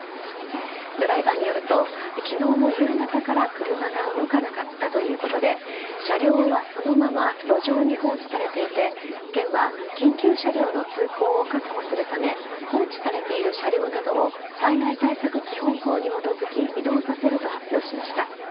ドライバーによると昨日の夕方から車が動かなかったということで車両はそのまま路上に放置されていて県は緊急車両の通行を確保するため放置されている車両などを災害対策基本法に基づき移動させると発表しました。